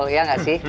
ya nggak sih